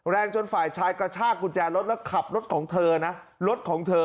แรงจนฝ่ายชายกระชากกุญแจรถแล้วขับรถของเธอนะรถของเธอ